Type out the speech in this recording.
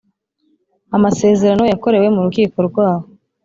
Amasezerano yakorewe mu rukiko rw aho